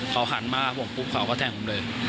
เขาหันมาผมปุ๊บเขาก็แทงผมเลย